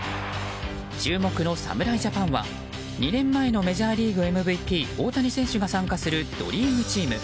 注目の侍ジャパンは２年前のメジャーリーグＭＶＰ大谷選手が参加するドリームチーム。